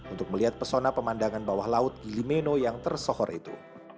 untuk melihat pesona pemandangan bawah laut gili meno yang tersohor itu